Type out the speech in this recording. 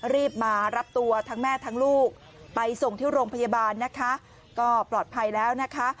รีบมารับตัวทั้งแม่ทั้งลูกไปส่งที่โรงพยาบาลนะคะก็ปลอดภัยแล้วนะคะ